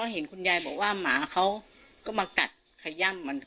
เห็นคุณยายบอกว่าหมาเห็นเขาได้กระจัดขย้ำ